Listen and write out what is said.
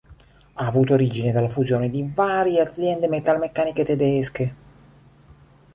Ha avuto origine dalla fusione di varie aziende metalmeccaniche tedesche.